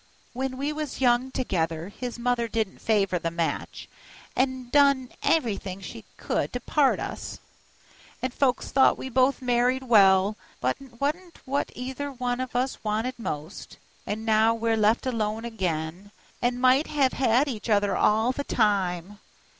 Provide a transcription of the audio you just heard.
"When we was young together his mother didn't favor the match, an' done everything she could to part us; and folks thought we both married well, but't wa'n't what either one of us wanted most; an' now we're left alone again, an' might have had each other all the time.